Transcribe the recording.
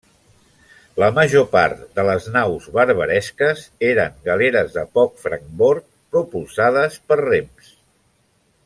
La major part de les naus barbaresques eren galeres de poc francbord, propulsades per rems.